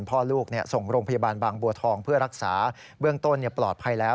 พ่อลูกส่งโรงพยาบาลบางบัวทองเพื่อรักษาเบื้องต้นปลอดภัยแล้ว